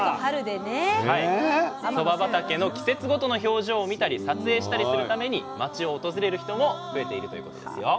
そば畑の季節ごとの表情を見たり撮影したりするために町を訪れる人も増えているということですよ。